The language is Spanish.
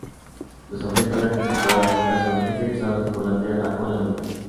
Los objetos aquí situados nunca son eclipsados por la Tierra o la Luna.